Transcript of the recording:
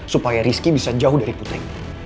supaya rizky bisa jauh dari putri